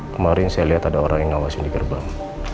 kemarin saya lihat ada orang yang ngawasin di gerbang